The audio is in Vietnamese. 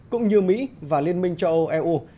cũng như mỹ và liên minh châu âu eu